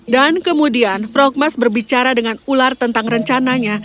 dan kemudian frogmas berbicara dengan ular tentang rencananya